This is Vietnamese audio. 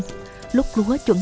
lúc lúa chuẩn bị trổ bồng